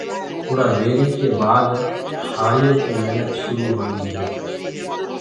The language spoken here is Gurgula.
اُرآ ويهري ڪي بآد هآݪيو ڪي مهنت شرو هوند هي